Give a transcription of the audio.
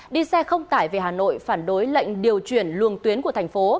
đi xe không tải về hà nội phản đối lệnh điều chuyển luồng tuyến của thành phố